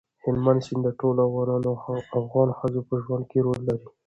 هلمند سیند د ټولو افغان ښځو په ژوند کې رول لري.